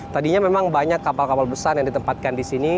tadinya memang banyak kapal kapal besar yang ditempatkan di sini